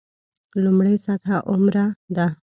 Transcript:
لومړۍ سطح عمره ده.